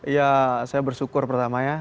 iya saya bersyukur pertamanya